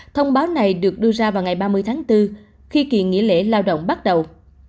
thông báo này được đưa ra vào ngày ba mươi tháng bốn khi kỳ nghỉ lễ lao động bắt đầu